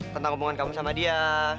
tentang omongan kamu sama dia